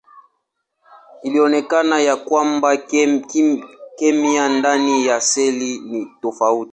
Ilionekana ya kwamba kemia ndani ya seli ni tofauti.